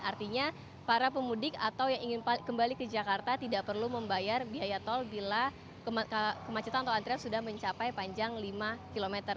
artinya para pemudik atau yang ingin kembali ke jakarta tidak perlu membayar biaya tol bila kemacetan atau antrian sudah mencapai panjang lima km